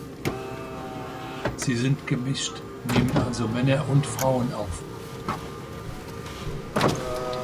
Sie sind gemischt, nehmen also Männer und Frauen auf.